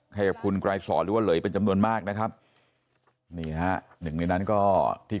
ให้คุณกลายสอนหรือว่าเหลยเป็นจำนวนมากนะครับนี่นั้นก็ที่